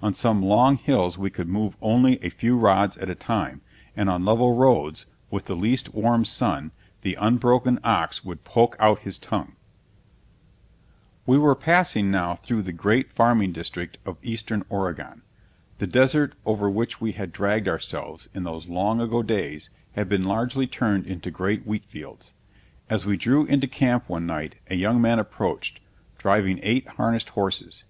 On some long hills we could move only a few rods at a time, and on level roads, with the least warm sun, the unbroken ox would poke out his tongue. [Illustration: Brown Bros. An apple orchard in Washington.] We were passing now through the great farming district of eastern Oregon. The desert over which we had dragged ourselves in those long ago days has been largely turned into great wheat fields. As we drew into camp one night a young man approached, driving eight harnessed horses.